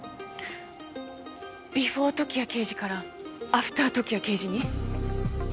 ビフォー時矢刑事からアフター時矢刑事に？